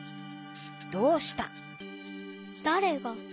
「どうした」？